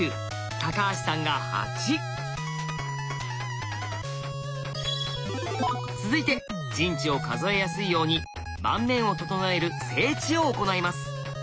橋さんが８。続いて陣地を数えやすいように盤面を整える「整地」を行います。